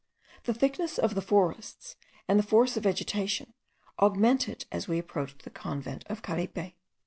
The thickness of the forests, and the force of vegetation, augmented as we approached the convent of Caripe.